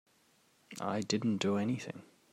I didn't do anything.